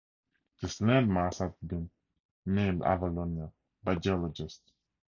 This land-mass has been named Avalonia by geologists.